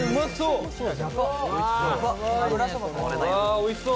・・おいしそう！